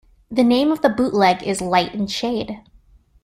The name of the bootleg is "Light and Shade".